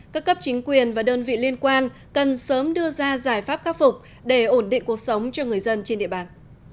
các cấp chính quyền và đơn vị liên quan cần sớm đưa ra giải pháp khắc phục để ổn định cuộc sống cho người dân trên địa bàn